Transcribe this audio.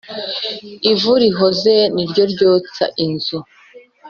Ivu rihoze ni ryo ryotsa inzu.